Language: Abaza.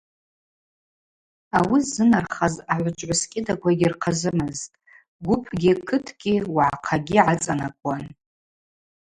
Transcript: Ауи ззынархаз агӏвычӏвгӏвыс кӏьыдаква йгьырхъазымызтӏ – гвыпгьи кытгьи уагӏахъагьи гӏацӏанакӏуан.